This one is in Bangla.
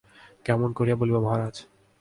কেমন করিয়া বলিব মহারাজ?